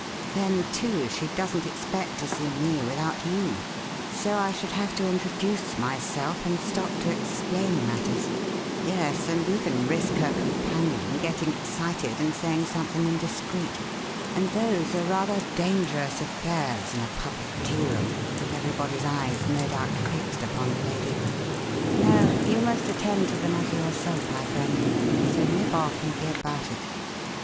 Then, too, she doesn't expect to see me without you, so I should have to introduce myself and stop to explain matters yes, and even risk her companion getting excited and saying something indiscreet, and those are rather dangerous affairs in a public tearoom, with everybody's eyes no doubt fixed upon the lady. No, you must attend to the matter yourself, my friend; so nip off and be about it.